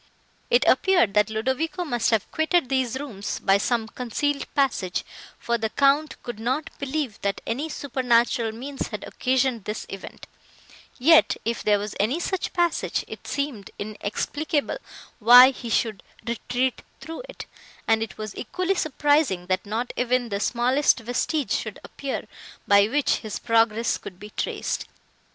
It appeared, that Ludovico must have quitted these rooms by some concealed passage, for the Count could not believe, that any supernatural means had occasioned this event, yet, if there was any such passage, it seemed inexplicable why he should retreat through it, and it was equally surprising, that not even the smallest vestige should appear, by which his progress could be traced.